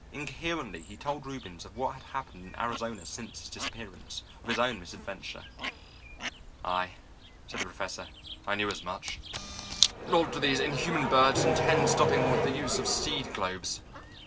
Incoherently he told Reubens of what had happened in Arizona since his disappearance, of his own misadventure. "Aye," said the Professor, "I knew as much. Nor do these inhuman birds intend stopping with the use of seed globes.